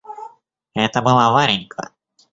Это была Варенька.